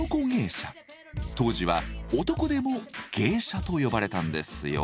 当時は男でも「芸者」と呼ばれたんですよ。